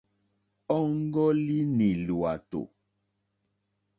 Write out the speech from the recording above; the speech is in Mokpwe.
Ɔ́ŋɡɔ́línì lwàtò.